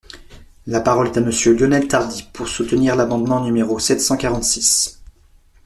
La parole est à Monsieur Lionel Tardy, pour soutenir l’amendement numéro sept cent quarante-six.